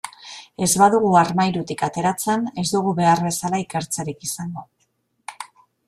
Ez badugu armairutik ateratzen, ez dugu behar bezala ikertzerik izango.